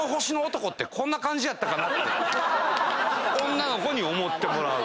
女の子に思ってもらう。